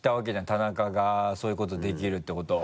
田中がそういうことできるってことを。